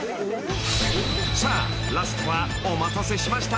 ［さあラストはお待たせしました